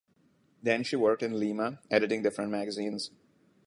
Then she worked in Lima editing different magazines.